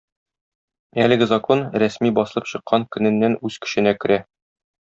Әлеге Закон рәсми басылып чыккан көненнән үз көченә керә.